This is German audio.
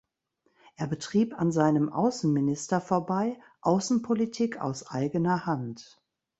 Er betrieb an seinem Außenminister vorbei Außenpolitik aus eigener Hand.